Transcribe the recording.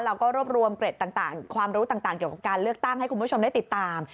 เราก็รวบรวมเกร็ดต่างความรู้ต่างเกี่ยวกับการเลือกตั้งให้คุณผู้ชมได้ติดตาม